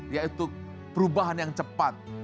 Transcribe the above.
yaitu perubahan yang cepat